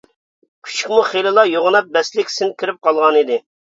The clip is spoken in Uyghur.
كۈچۈكمۇ خېلىلا يوغىناپ، بەستلىك سىن كىرىپ قالغانىدى.